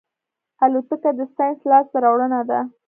الوتکه د ساینس لاسته راوړنه ده.